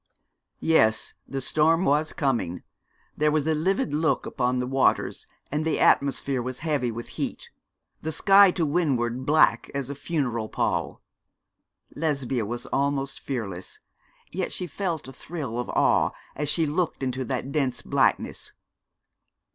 Yes, the storm was coming. There was a livid look upon the waters, and the atmosphere was heavy with heat; the sky to windward black as a funeral pall. Lesbia was almost fearless, yet she felt a thrill of awe as she looked into that dense blackness.